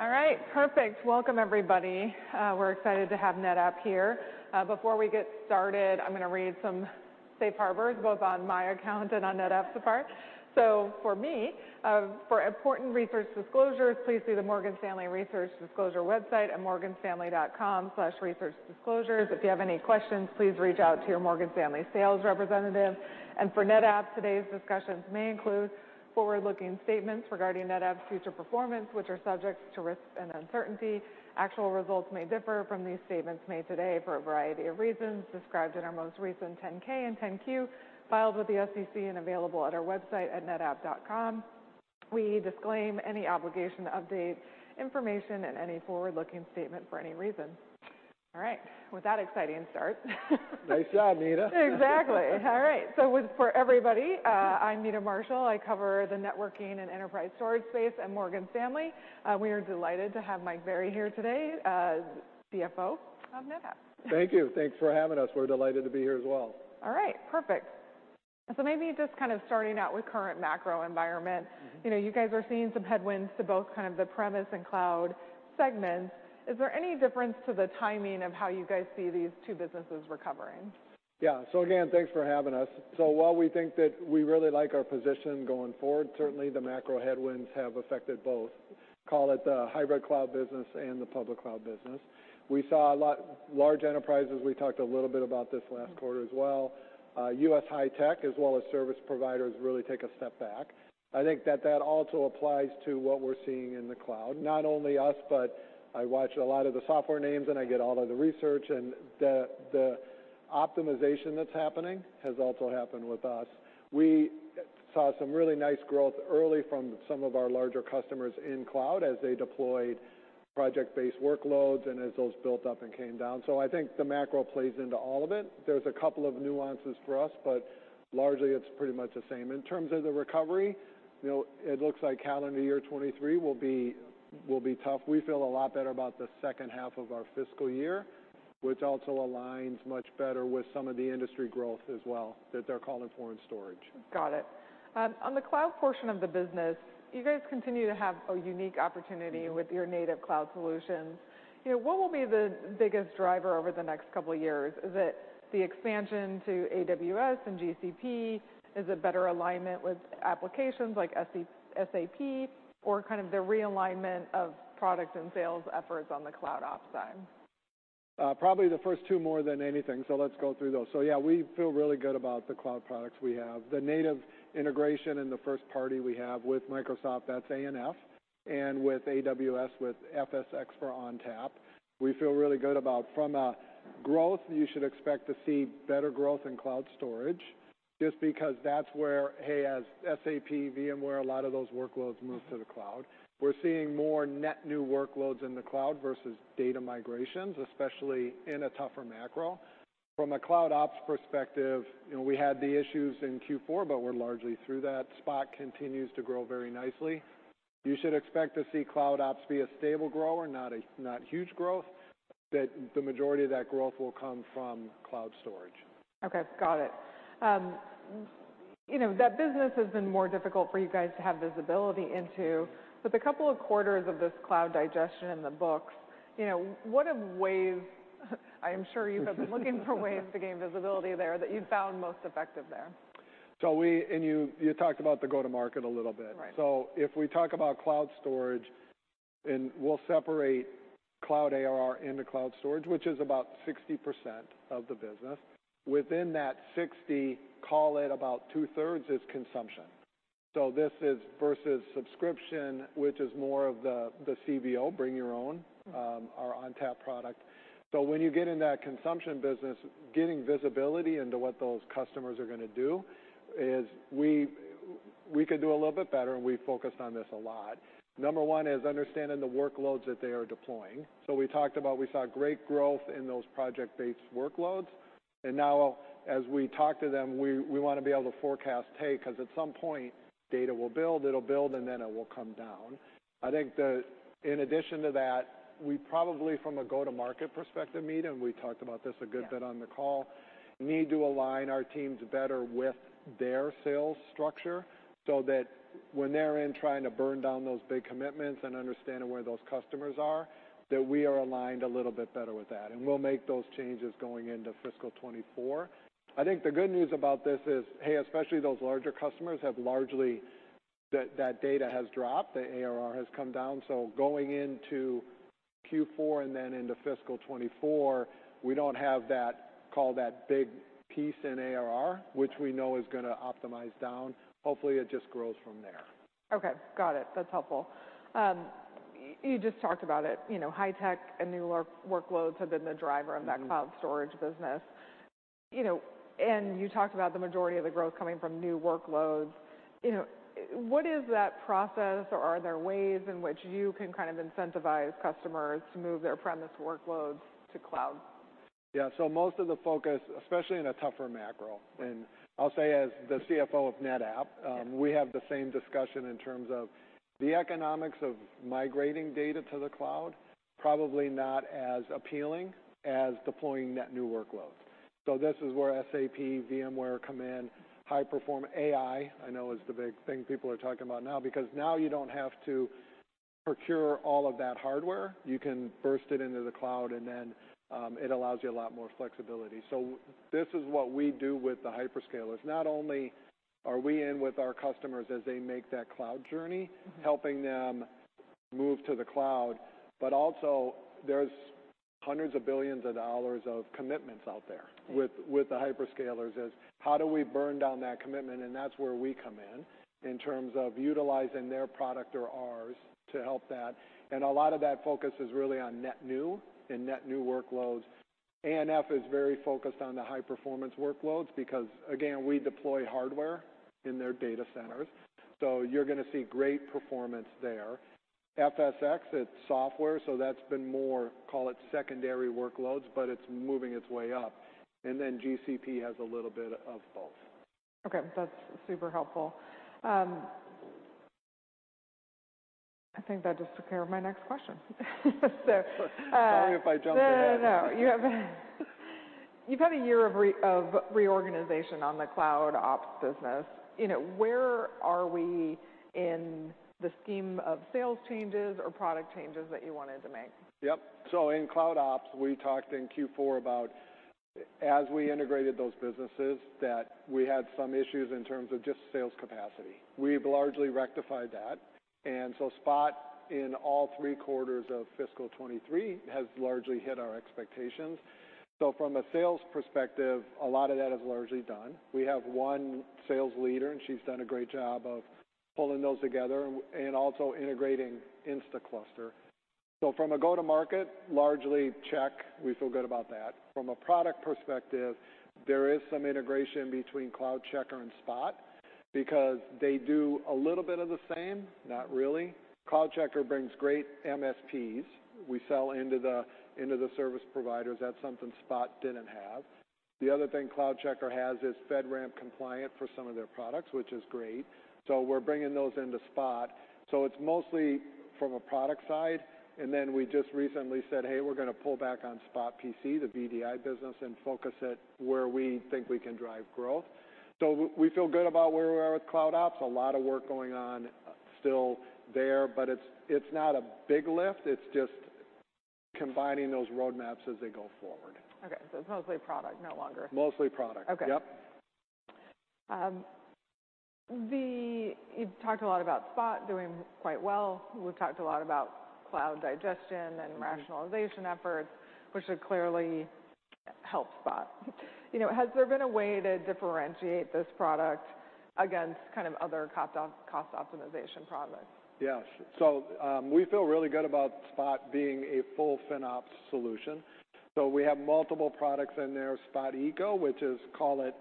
All right, perfect. Welcome, everybody. We're excited to have NetApp here. Before we get started, I'm gonna read some safe harbors, both on my account and on NetApp's apart. For me, for important research disclosures, please see the Morgan Stanley Research Disclosure website at morganstanley.com/researchdisclosures. If you have any questions, please reach out to your Morgan Stanley sales representative. For NetApp, today's discussions may include forward-looking statements regarding NetApp's future performance, which are subject to risk and uncertainty. Actual results may differ from these statements made today for a variety of reasons described in our most recent Form 10-K and Form 10-Q filed with the SEC and available at our website at netapp.com. We disclaim any obligation to update information in any forward-looking statement for any reason. All right, with that exciting start Nice job, Meta. Exactly. All right. For everybody, I'm Meta Marshall. I cover the networking and enterprise storage space at Morgan Stanley. We are delighted to have Mike Berry here today, CFO of NetApp. Thank you. Thanks for having us. We're delighted to be here as well. All right, perfect. Maybe just kind of starting out with current macro environment. Mm-hmm. You know, you guys are seeing some headwinds to both kind of the premise and cloud segments. Is there any difference to the timing of how you guys see these two businesses recovering? Again, thanks for having us. While we think that we really like our position going forward, certainly the macro headwinds have affected both, call it the hybrid cloud business and the public cloud business. We saw a lot large enterprises. We talked a little bit about this last quarter as well. U.S. high tech as well as service providers really take a step back. I think that that also applies to what we're seeing in the cloud. Not only us, but I watch a lot of the software names, and I get all of the research, and the optimization that's happening has also happened with us. We saw some really nice growth early from some of our larger customers in cloud as they deployed project-based workloads and as those built up and came down. I think the macro plays into all of it. There's a couple of nuances for us, but largely it's pretty much the same. In terms of the recovery, you know, it looks like calendar year 2023 will be tough. We feel a lot better about the second half of our fiscal year, which also aligns much better with some of the industry growth as well that they're calling for in storage. Got it. On the cloud portion of the business, you guys continue to have a unique opportunity. Mm-hmm... with your native cloud solutions. You know, what will be the biggest driver over the next couple of years? Is it the expansion to AWS and GCP? Is it better alignment with applications like SAP or kind of the realignment of product and sales efforts on the CloudOps side? Probably the first two more than anything, let's go through those. Yeah, we feel really good about the cloud products we have. The native integration and the first party we have with Microsoft, that's ANF, and with AWS, with FSx for ONTAP, we feel really good about. From a growth, you should expect to see better growth in cloud storage just because that's where, as SAP, VMware, a lot of those workloads move to the cloud. We're seeing more net new workloads in the cloud versus data migrations, especially in a tougher macro. From a CloudOps perspective, you know, we had the issues in Q4, we're largely through that. Spot continues to grow very nicely. You should expect to see CloudOps be a stable grower, not huge growth, that the majority of that growth will come from cloud storage. Okay, got it. you know, that business has been more difficult for you guys to have visibility into. With a couple of quarters of this cloud digestion in the books, you know, what are ways I am sure you guys are looking for ways to gain visibility there that you found most effective there? You talked about the go to market a little bit. Right. If we talk about cloud storage, we'll separate cloud ARR into cloud storage, which is about 60% of the business. Within that 60, call it about two-thirds is consumption. This is versus subscription, which is more of the CBO, bring your own- Mm-hmm... our ONTAP product. When you get in that consumption business, getting visibility into what those customers are gonna do is we could do a little bit better, and we focused on this a lot. Number 1 is understanding the workloads that they are deploying. We talked about we saw great growth in those project-based workloads. Now as we talk to them, we wanna be able to forecast, hey, 'cause at some point data will build, it'll build, and then it will come down. I think in addition to that, we probably from a go-to-market perspective, Meta, and we talked about this a good bit on the call, need to align our teams better with their sales structure so that when they're in trying to burn down those big commitments and understanding where those customers are, that we are aligned a little bit better with that. We'll make those changes going into fiscal 2024. I think the good news about this is, hey, especially those larger customers have largely that data has dropped. The ARR has come down. Going into Q4 and then into fiscal 2024, we don't have that, call it that big piece in ARR, which we know is gonna optimize down. Hopefully, it just grows from there. Okay, got it. That's helpful. You just talked about it, you know, high tech and new workloads have been the driver of that cloud storage business. You know, you talked about the majority of the growth coming from new workloads. You know, what is that process or are there ways in which you can kind of incentivize customers to move their premise workloads to cloud? Yeah. Most of the focus, especially in a tougher macro, and I'll say as the CFO of NetApp. Yeah... we have the same discussion in terms of the economics of migrating data to the cloud, probably not as appealing as deploying net new workloads. This is where SAP, VMware come in. High-perform AI, I know is the big thing people are talking about now, because now you don't have to procure all of that hardware. You can burst it into the cloud, and then, it allows you a lot more flexibility. This is what we do with the hyperscalers. Not only are we in with our customers as they make that cloud journey- Mm-hmm... helping them move to the cloud, but also there's hundreds of billions of dollars of commitments out there. Yeah... with the hyperscalers is: how do we burn down that commitment? That's where we come in terms of utilizing their product or ours to help that. A lot of that focus is really on net new and net new workloads. ANF is very focused on the high-performance workloads because, again, we deploy hardware in their data centers, so you're gonna see great performance there. FSx, it's software, so that's been more, call it secondary workloads, but it's moving its way up. GCP has a little bit of both. Okay, that's super helpful. I think that just took care of my next question. Sorry if I jumped ahead. No, no. You've had a year of reorganization on the CloudOps business. You know, where are we in the scheme of sales changes or product changes that you wanted to make? Yep. In CloudOps, we talked in Q4 about as we integrated those businesses, that we had some issues in terms of just sales capacity. We've largely rectified that. Spot in all three quarters of fiscal 23 has largely hit our expectations. From a sales perspective, a lot of that is largely done. We have one sales leader, and she's done a great job of pulling those together and also integrating Instaclustr. From a go-to-market, largely check. We feel good about that. From a product perspective, there is some integration between CloudCheckr and Spot because they do a little bit of the same, not really. CloudCheckr brings great MSPs. We sell into the service providers. That's something Spot didn't have. The other thing CloudCheckr has is FedRAMP compliant for some of their products, which is great. We're bringing those into Spot. It's mostly from a product side. We just recently said, "Hey, we're gonna pull back on Spot PC, the VDI business, and focus it where we think we can drive growth." We feel good about where we are with CloudOps. A lot of work going on still there, but it's not a big lift. It's just combining those roadmaps as they go forward. Okay. It's mostly product, no longer- Mostly product. Okay. Yep. You've talked a lot about Spot doing quite well. We've talked a lot about cloud digestion. Mm-hmm... and rationalization efforts, which should clearly help Spot. You know, has there been a way to differentiate this product against kind of other cost optimization products? We feel really good about Spot being a full FinOps solution. We have multiple products in there, Spot Eco, which is, call it,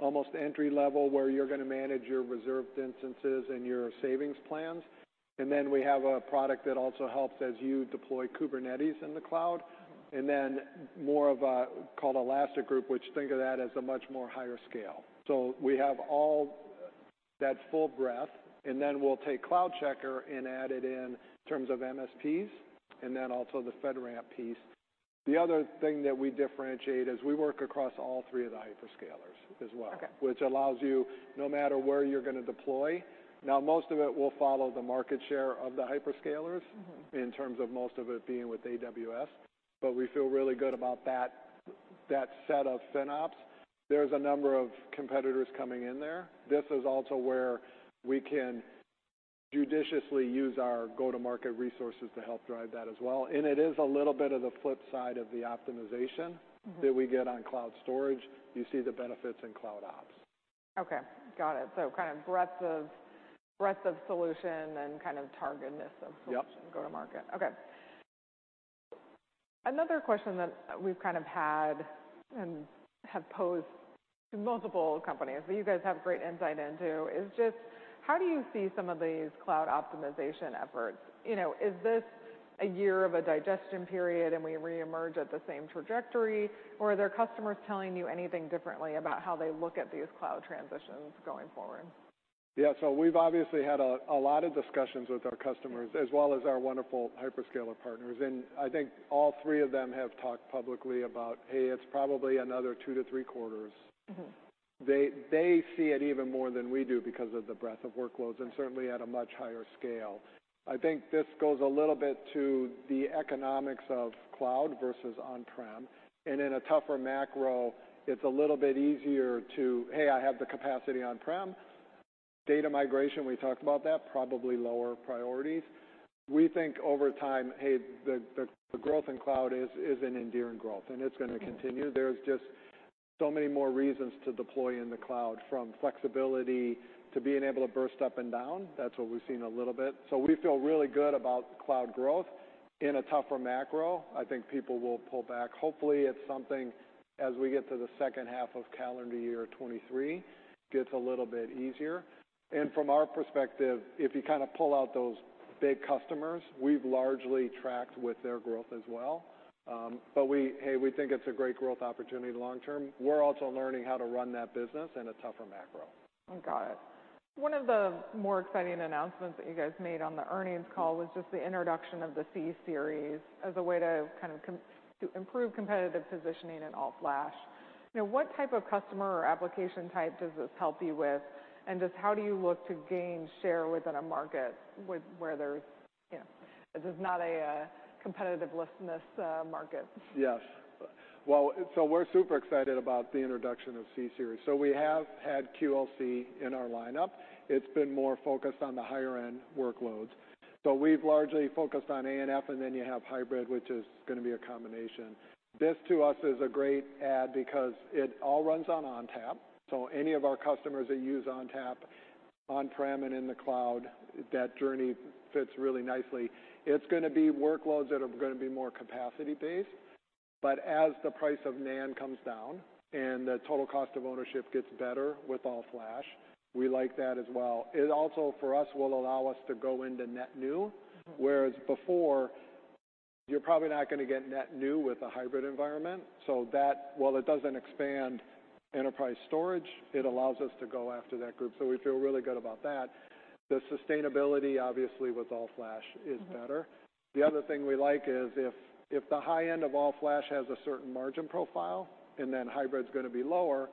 almost entry-level, where you're gonna manage your reserved instances and your savings plans. We have a product that also helps as you deploy Kubernetes in the cloud. More of called Elastigroup, which think of that as a much more higher scale. We have all that full breadth, and then we'll take CloudCheckr and add it in terms of MSPs and then also the FedRAMP piece. The other thing that we differentiate is we work across all three of the hyperscalers as well- Okay... which allows you no matter where you're gonna deploy. Now, most of it will follow the market share of the hyperscalers... Mm-hmm... in terms of most of it being with AWS, but we feel really good about that set of FinOps. There's a number of competitors coming in there. This is also where we can judiciously use our go-to-market resources to help drive that as well. It is a little bit of the flip side of the optimization. Mm-hmm... that we get on cloud storage. You see the benefits in CloudOps. Okay. Got it. kind of breadth of solution and kind of targetedness of-... Yep... solution go to market. Okay. Another question that we've kind of had and have posed to multiple companies that you guys have great insight into is just how do you see some of these cloud optimization efforts? You know, is this a year of a digestion period, and we reemerge at the same trajectory, or are there customers telling you anything differently about how they look at these cloud transitions going forward? Yeah. we've obviously had a lot of discussions with our customers. Yeah... as well as our wonderful hyperscaler partners. I think all three of them have talked publicly about, hey, it's probably another 2-3 quarters. Mm-hmm. They see it even more than we do because of the breadth of workloads. Right... and certainly at a much higher scale. I think this goes a little bit to the economics of cloud versus on-prem. In a tougher macro it's a little bit easier to, "Hey, I have the capacity on-prem." Data migration, we talked about that, probably lower priorities. We think over time, hey, the growth in cloud is an enduring growth, and it's gonna continue. Mm-hmm. There's just so many more reasons to deploy in the cloud, from flexibility to being able to burst up and down. That's what we've seen a little bit. We feel really good about cloud growth. In a tougher macro, I think people will pull back. Hopefully, it's something as we get to the second half of calendar year 2023 gets a little bit easier. From our perspective, if you kind of pull out those big customers, we've largely tracked with their growth as well. Hey, we think it's a great growth opportunity long term. We're also learning how to run that business in a tougher macro. Got it. One of the more exciting announcements that you guys made on the earnings call was just the introduction of the AFF C-Series as a way to kind of to improve competitive positioning in all-flash. You know, what type of customer or application type does this help you with? Just how do you look to gain share within a market where there's, you know, this is not a competitive lessness market. Yes. Well, we're super excited about the introduction of C-Series. We have had QLC in our lineup. It's been more focused on the higher-end workloads. We've largely focused on ANF, and then you have hybrid, which is gonna be a combination. This, to us, is a great add because it all runs on ONTAP. Any of our customers that use ONTAP on-prem and in the cloud, that journey fits really nicely. It's gonna be workloads that are gonna be more capacity based. As the price of NAND comes down and the total cost of ownership gets better with all-flash, we like that as well. It also, for us, will allow us to go into net new, whereas before, you're probably not gonna get net new with a hybrid environment. That, while it doesn't expand enterprise storage, it allows us to go after that group, so we feel really good about that. The sustainability, obviously with all-flash is better. The other thing we like is if the high-end of all-flash has a certain margin profile and then hybrid's gonna be lower,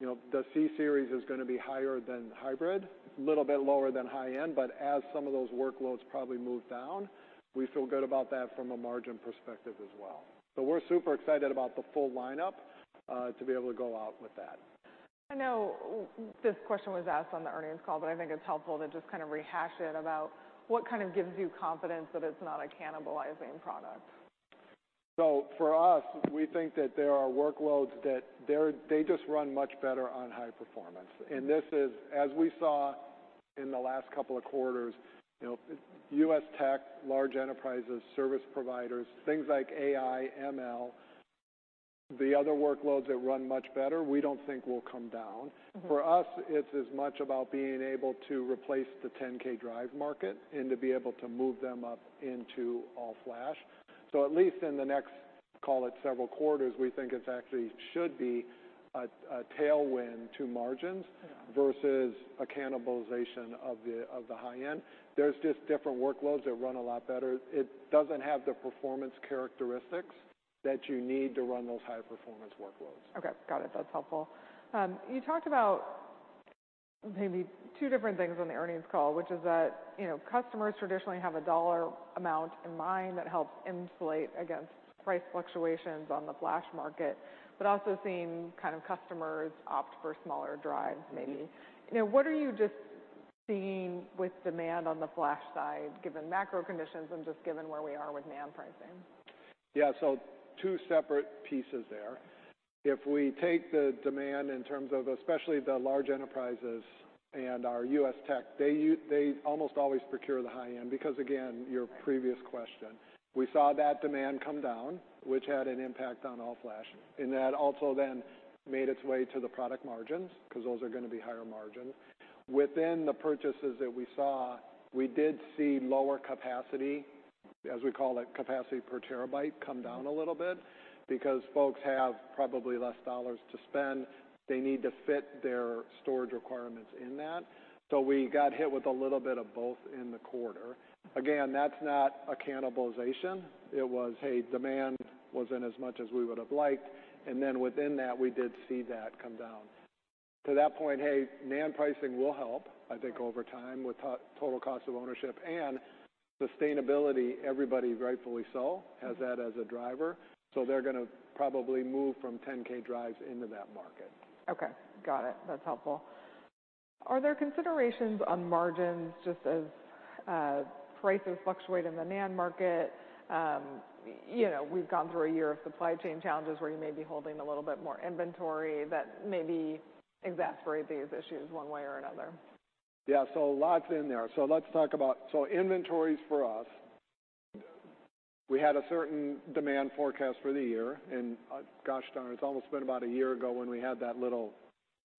you know, the AFF C-Series is gonna be higher than hybrid, little bit lower than high-end, but as some of those workloads probably move down, we feel good about that from a margin perspective as well. We're super excited about the full lineup to be able to go out with that. I know this question was asked on the earnings call, but I think it's helpful to just kind of rehash it about what kind of gives you confidence that it's not a cannibalizing product. For us, we think that there are workloads that they just run much better on high performance. This is, as we saw in the last couple of quarters, you know, U.S. tech, large enterprises, service providers, things like AI, ML, the other workloads that run much better, we don't think will come down. Mm-hmm. For us, it's as much about being able to replace the 10K drive market and to be able to move them up into all-flash. At least in the next, call it, several quarters, we think it's actually should be a tailwind to margins. Yeah. -versus a cannibalization of the, of the high-end. There's just different workloads that run a lot better. It doesn't have the performance characteristics that you need to run those high-performance workloads. Okay. Got it. That's helpful. You talked about maybe two different things on the earnings call, which is that, you know, customers traditionally have a dollar amount in mind that helps insulate against price fluctuations on the flash market, but also seeing kind of customers opt for smaller drives maybe. You know, what are you just seeing with demand on the flash side, given macro conditions and just given where we are with NAND pricing? Yeah. Two separate pieces there. If we take the demand in terms of especially the large enterprises and our U.S. tech, they almost always procure the high-end because again, your previous question. We saw that demand come down, which had an impact on all-flash, and that also then made its way to the product margins because those are gonna be higher margin. Within the purchases that we saw, we did see lower capacity, as we call it, capacity per terabyte, come down a little bit because folks have probably less $ to spend. They need to fit their storage requirements in that. We got hit with a little bit of both in the quarter. Again, that's not a cannibalization. It was, hey, demand wasn't as much as we would have liked, and then within that, we did see that come down. To that point, hey, NAND pricing will help, I think, over time with total cost of ownership and sustainability. Everybody rightfully so has that as a driver, so they're gonna probably move from 10K drives into that market. Okay. Got it. That's helpful. Are there considerations on margins just as prices fluctuate in the NAND market? You know, we've gone through a year of supply chain challenges where you may be holding a little bit more inventory that maybe exacerbate these issues one way or another. Yeah. Lots in there. Let's talk about... Inventories for us, we had a certain demand forecast for the year. Gosh darn, it's almost been about a year ago when we had that little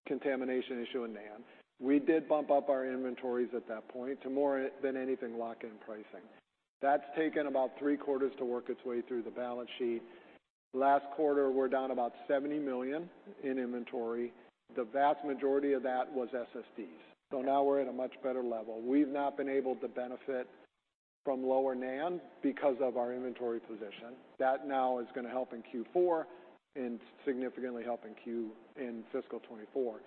contamination issue in NAND. We did bump up our inventories at that point to more than anything, lock in pricing. That's taken about three quarters to work its way through the balance sheet. Last quarter, we're down about $70 million in inventory. The vast majority of that was SSDs. Yeah. Now we're at a much better level. We've not been able to benefit from lower NAND because of our inventory position. That now is gonna help in Q4 and significantly help in fiscal 2024.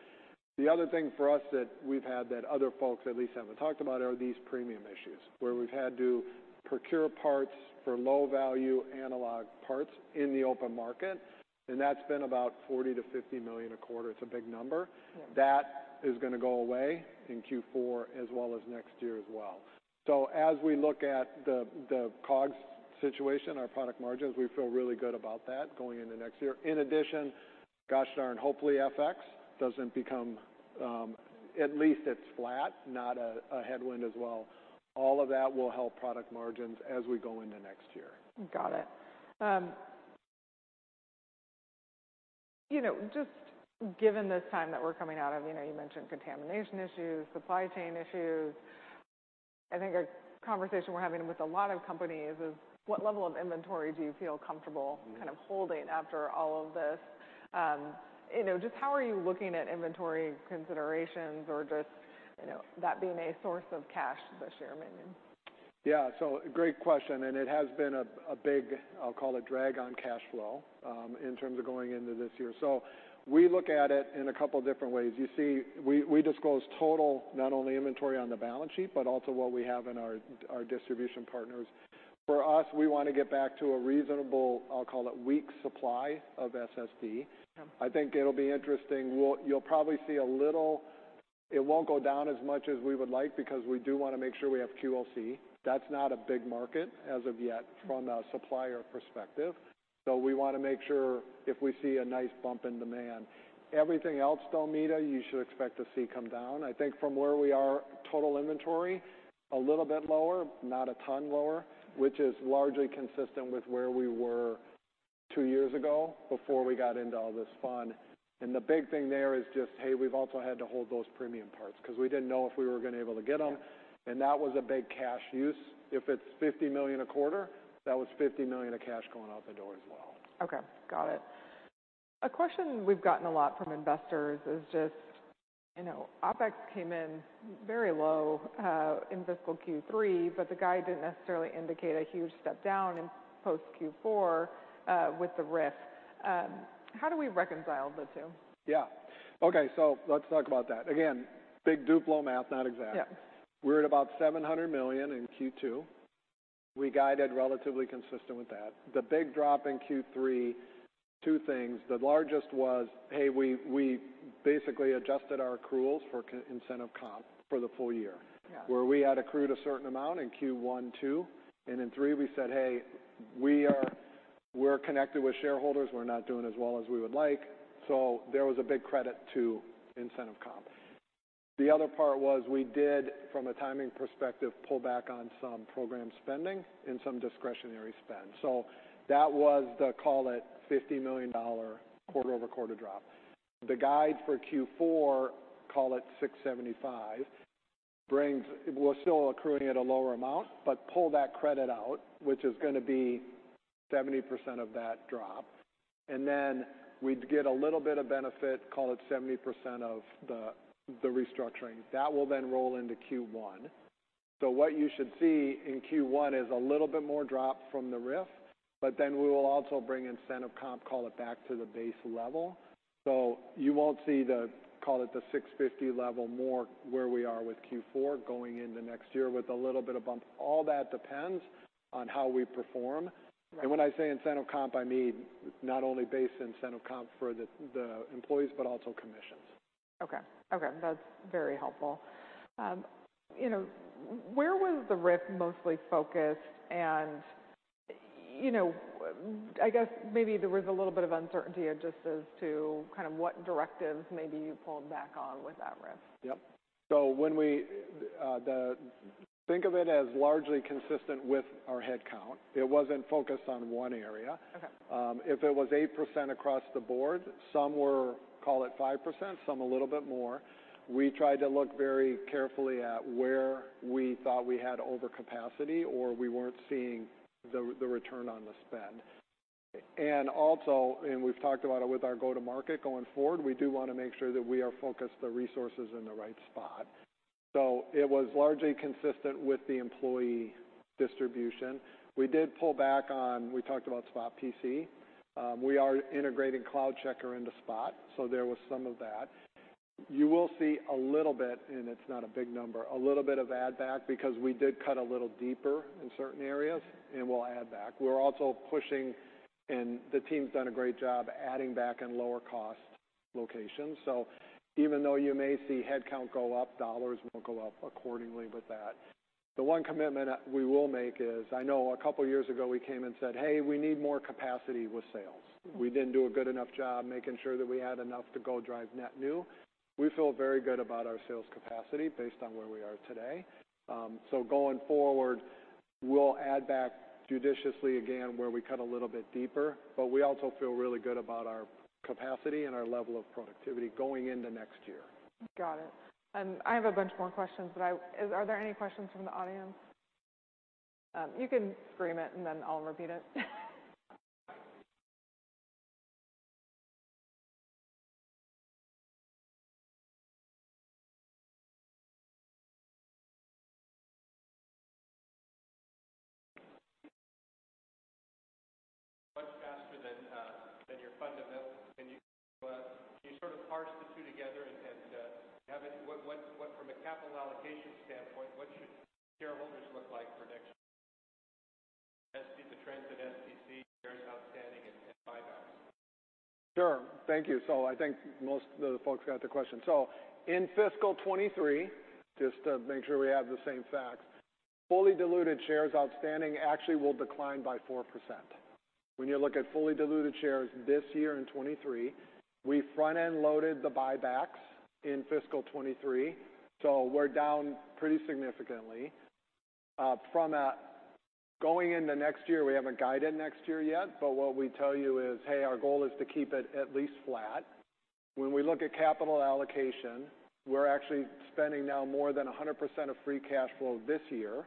The other thing for us that we've had that other folks at least haven't talked about are these premium issues, where we've had to procure parts for low-value analog parts in the open market, and that's been about $40 million-$50 million a quarter. It's a big number. Yeah. That is gonna go away in Q4 as well as next year as well. As we look at the COGS situation, our product margins, we feel really good about that going into next year. In addition, gosh darn, hopefully FX doesn't become, at least it's flat, not a headwind as well. All of that will help product margins as we go into next year. Got it. you know, just given this time that we're coming out of, you know, you mentioned contamination issues, supply chain issues. I think a conversation we're having with a lot of companies is what level of inventory do you feel comfortable. Mm-hmm. kind of holding after all of this? you know, just how are you looking at inventory considerations or just, you know, that being a source of cash this year maybe? Yeah. Great question, it has been a big, I'll call it drag on cash flow in terms of going into this year. We look at it in a couple different ways. You see, we disclose total, not only inventory on the balance sheet, but also what we have in our distribution partners. For us, we want to get back to a reasonable, I'll call it week supply of SSD. Yeah. I think it'll be interesting. You'll probably see a little. It won't go down as much as we would like because we do wanna make sure we have QLC. That's not a big market as of yet. Mm-hmm. -from a supplier perspective. We wanna make sure if we see a nice bump in demand. Everything else, though, Meta, you should expect to see come down. I think from where we are, total inventory a little bit lower, not a ton lower, which is largely consistent with where we were two years ago before we got into all this fun. The big thing there is just, hey, we've also had to hold those premium parts because we didn't know if we were gonna able to get them. Yeah. That was a big cash use. If it's $50 million a quarter, that was $50 million of cash going out the door as well. Okay. Got it. A question we've gotten a lot from investors is just, you know, OpEx came in very low, in fiscal Q3. The guide didn't necessarily indicate a huge step down in post Q4, with the RIF. How do we reconcile the two? Yeah. Okay. Let's talk about that. Again, big Duplo math, not exact. Yeah. We're at about $700 million in Q2. We guided relatively consistent with that. The big drop in Q3, 2 things. The largest was, hey, we basically adjusted our accruals for incentive comp for the full year. Yeah. Where we had accrued a certain amount in Q1, Q2, and in Q3 we said, "Hey, we're connected with shareholders. We're not doing as well as we would like." There was a big credit to incentive comp. The other part was we did, from a timing perspective, pull back on some program spending and some discretionary spend. That was the, call it $50 million quarter-over-quarter drop. The guide for Q4, call it $675, brings... We're still accruing at a lower amount, but pull that credit out, which is gonna be 70% of that drop, and we'd get a little bit of benefit, call it 70% of the restructuring. That will roll into Q1. What you should see in Q1 is a little bit more drop from the RIF, but then we will also bring incentive comp, call it back to the base level. You won't see the, call it, the $650 level more where we are with Q4 going into next year with a little bit of bump. All that depends on how we perform. Right. When I say incentive comp, I mean not only base incentive comp for the employees, but also commissions. Okay. Okay, that's very helpful. You know, where was the RIF mostly focused? You know, I guess maybe there was a little bit of uncertainty just as to kind of what directives maybe you pulled back on with that RIF. Yep. Think of it as largely consistent with our head count. It wasn't focused on one area. Okay. If it was 8% across the board, some were, call it 5%, some a little bit more. We tried to look very carefully at where we thought we had overcapacity or we weren't seeing the return on the spend. We've talked about it with our go-to-market, going forward, we do wanna make sure that we are focused the resources in the right spot. It was largely consistent with the employee distribution. We did pull back on, we talked about Spot PC. We are integrating CloudCheckr into Spot, so there was some of that. You will see a little bit, and it's not a big number, a little bit of add back because we did cut a little deeper in certain areas, and we'll add back. We're also pushing, and the team's done a great job adding back in lower cost locations. Even though you may see head count go up, $ will go up accordingly with that. The one commitment we will make is, I know a couple years ago we came and said, "Hey, we need more capacity with sales. Mm-hmm. We didn't do a good enough job making sure that we had enough to go drive net new. We feel very good about our sales capacity based on where we are today. Going forward, we'll add back judiciously again where we cut a little bit deeper, but we also feel really good about our capacity and our level of productivity going into next year. Got it. I have a bunch more questions, but are there any questions from the audience? You can scream it and then I'll repeat it. Much faster than your fundamentals. Can you, can you sort of parse the two together and, have any... What from a capital allocation standpoint, what should shareholders look like for next as to the trends in SPC, shares outstanding, and buybacks? Sure. Thank you. I think most of the folks got the question. In fiscal 2023, just to make sure we have the same facts. Fully diluted shares outstanding actually will decline by 4%. When you look at fully diluted shares this year in 2023, we front-end loaded the buybacks in fiscal 2023, so we're down pretty significantly. From going into next year, we haven't guided next year yet, but what we tell you is, hey, our goal is to keep it at least flat. When we look at capital allocation, we're actually spending now more than 100% of free cash flow this year,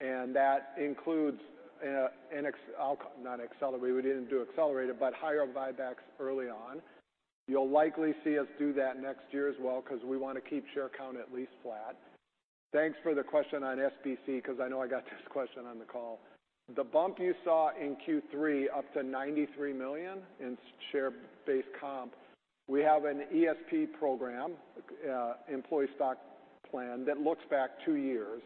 and that includes not accelerated, we didn't do accelerated, but higher buybacks early on. You'll likely see us do that next year as well, 'cause we wanna keep share count at least flat. Thanks for the question on SBC, 'cause I know I got this question on the call. The bump you saw in Q3, up to $93 million in s-share base comp. We have an ESP program, employee stock plan, that looks back two years.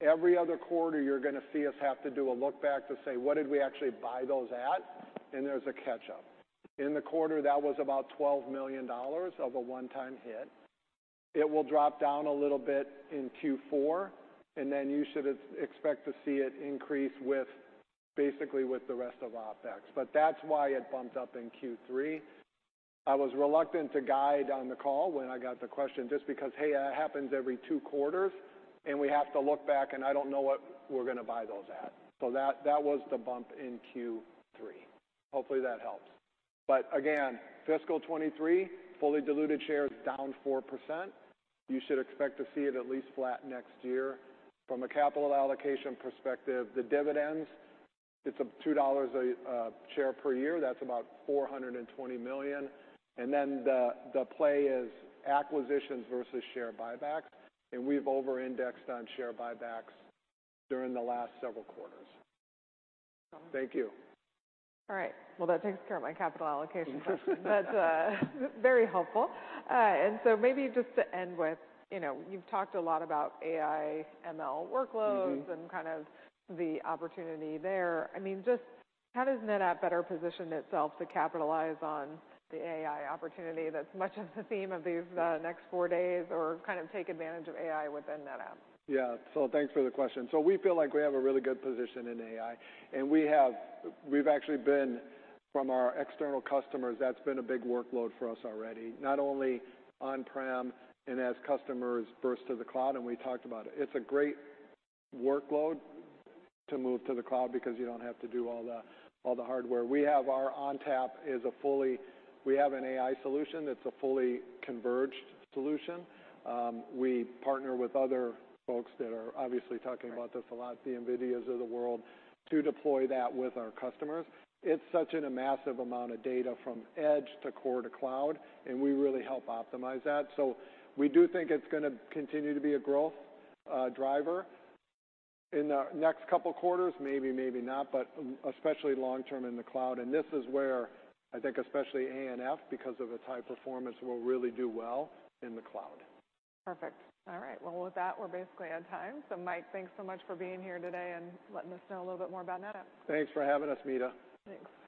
Every other quarter, you're gonna see us have to do a look back to say, "What did we actually buy those at?" There's a catch-up. In the quarter, that was about $12 million of a one-time hit. It will drop down a little bit in Q4, and then you should expect to see it increase with, basically with the rest of OpEx. That's why it bumped up in Q3. I was reluctant to guide on the call when I got the question just because, hey, that happens every two quarters, and we have to look back, and I don't know what we're gonna buy those at. That was the bump in Q3. Hopefully, that helps. Again, fiscal 2023, fully diluted shares down 4%. You should expect to see it at least flat next year. From a capital allocation perspective, the dividends, it's up $2 a share per year. That's about $420 million. The play is acquisitions versus share buybacks, and we've over-indexed on share buybacks during the last several quarters. Thank you. All right. Well, that takes care of my capital allocation question. That's very helpful. Maybe just to end with, you know, you've talked a lot about AI ML workloads... Mm-hmm... and kind of the opportunity there. I mean, just how does NetApp better position itself to capitalize on the AI opportunity that's much of the theme of these, next four days or kind of take advantage of AI within NetApp? Yeah. Thanks for the question. We feel like we have a really good position in AI, and we've actually been from our external customers, that's been a big workload for us already. Not only on-prem and as customers burst to the cloud, and we talked about it. It's a great workload to move to the cloud because you don't have to do all the hardware. We have an AI solution that's a fully converged solution. We partner with other folks that are obviously talking about this a lot, the NVIDIAs of the world, to deploy that with our customers. It's such in a massive amount of data from edge to core to cloud, and we really help optimize that. We do think it's gonna continue to be a growth driver in the next couple quarters, maybe not. Especially long-term in the cloud, and this is where I think especially ANF, because of its high performance, will really do well in the cloud. Perfect. All right. Well, with that, we're basically at time. Mike, thanks so much for being here today and letting us know a little bit more about NetApp. Thanks for having us, Meta Marshall. Thanks.